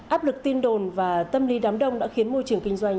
áp lực tin đồn và tâm lý đám đông đã khiến môi trường kinh doanh